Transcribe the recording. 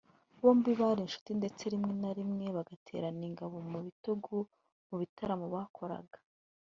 bombi bari inshuti ndetse rimwe na rimwe bagaterana ingabo mu bitugu mu bitaramo bakoraga